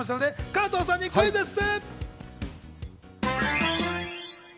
加藤さんにクイズッス！